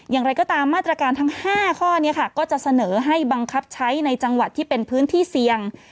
อย่างไรก็ตามมาตรการทั้ง๕ข้อนี้ค่ะก็จะเสนอให้บังคับใช้ในจังหวัดที่เป็นพื้นที่เสี่ยง